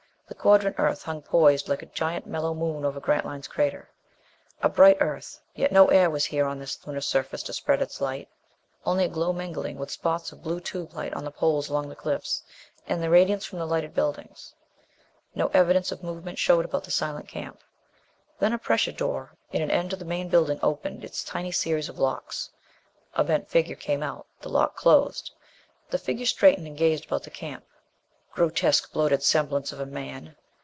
The quadrant Earth hung poised like a giant mellow moon over Grantline's crater. A bright Earth, yet no air was here on this Lunar surface to spread its light. Only a glow, mingling with the spots of blue tube light on the poles along the cliff, and the radiance from the lighted buildings. No evidence of movement showed about the silent camp. Then a pressure door in an end of the main building opened its tiny series of locks. A bent figure came out. The lock closed. The figure straightened and gazed about the camp. Grotesque, bloated semblance of a man!